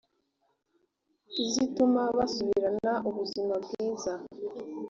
izituma basubirana ubuzima bwiza